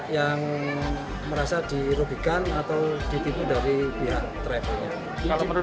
yang merasa di rubikan atau ditipu dari pihak travel